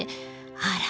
あら！